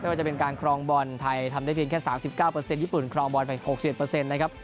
ไม่ว่าจะเป็นการครองบอลท้ายทำได้เพียงแค่สามสิบเก้าเปอร์เซ็นต์ญี่ปุ่นครองบอลไปหกสิบเปอร์เซ็นต์นะครับ